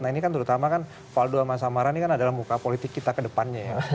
nah ini kan terutama kan faldo sama samara ini kan adalah muka politik kita ke depannya ya